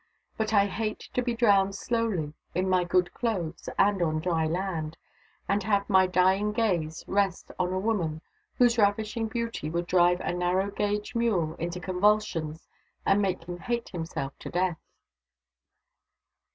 But I hate to be drowned slowly in my good clothes and on dry land, and have my dying gaze rest on a woman whose ravishing beauty would drive a narrow gage mule into convulsions and make him hate himself t'death.